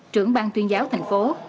trưởng ban tuyên giáo thành phố